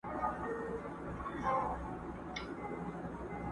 o کار چي په سلا سي، بې بلا سي.